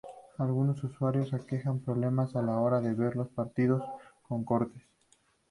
Algunos usuarios aquejan problemas a la hora de ver los partidos, con cortes.